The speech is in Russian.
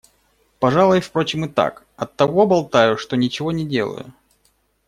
Пожалуй, впрочем, и так: оттого болтаю, что ничего не делаю.